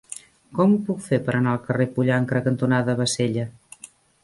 Com ho puc fer per anar al carrer Pollancre cantonada Bassella?